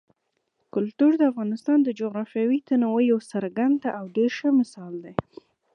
کلتور د افغانستان د جغرافیوي تنوع یو څرګند او ډېر ښه مثال دی.